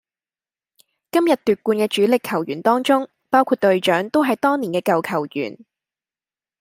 今日奪冠嘅主力球員當中，包括隊長都係當年嘅舊球員